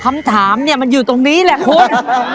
คำถามเนี่ยมันอยู่ตรงนี้แหละคุณ